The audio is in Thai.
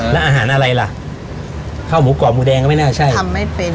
แล้วอาหารอะไรล่ะข้าวหมูกรอบหมูแดงก็ไม่น่าใช่ทำไม่เป็น